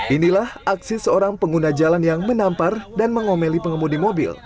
inilah aksi seorang pengguna jalan yang menampar dan mengomeli pengemudi mobil